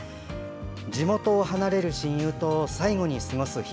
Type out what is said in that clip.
地元を離れる親友と最後に過ごす日。